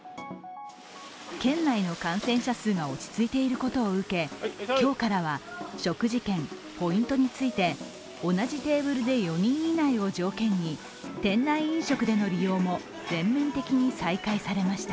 県内の感染者数が落ち着いていることを受け、今日からは食事券、ポイントについて同じテーブルで４人以内を条件に店内飲食での利用も全面的に再開されました。